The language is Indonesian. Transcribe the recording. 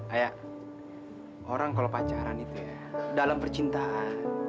kayak orang kalau pacaran itu ya dalam percintaan